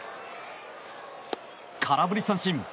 空振り三振。